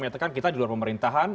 menyatakan kita di luar pemerintahan